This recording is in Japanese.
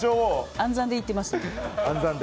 暗算でいってます。